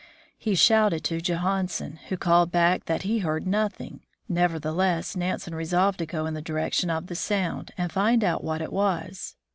He shouted to Johansen, who called back that he heard nothing. Nevertheless, Nansen resolved to go in the direction of the sound, and find out what it was.